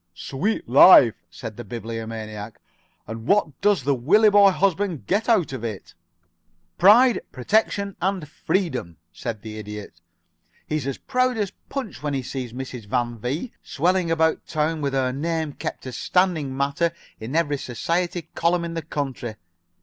"Sweet life," said the Bibliomaniac. "And what does the Willieboy husband get out of it?" "Pride, protection, and freedom," said the Idiot. "He's as proud as Punch when he sees Mrs. Van V. swelling about town with her name kept as standing matter in every society column in the country.